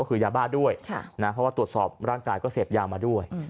ก็คือยาบ้าด้วยเพราะว่าตรวจสอบร่างกายก็เสพยามาด้วย